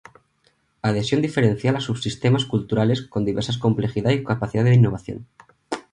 Adhesión diferencial a subsistemas culturales con diversas complejidad y capacidad de innovación.